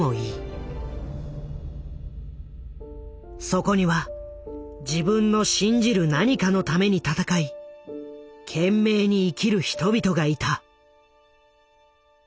そこには自分の信じる何かのために闘い懸命に生きる人々がいた。